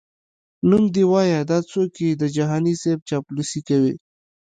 نوم دي وایه دا څوک یې د جهاني صیب چاپلوسي کوي؟🤧🧐